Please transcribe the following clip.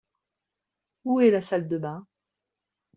Où est la salle de bains ?